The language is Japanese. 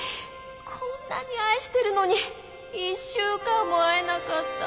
こんなに愛してるのに１週間も会えなかった。